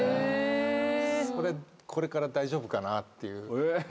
それこれから大丈夫かなっていう。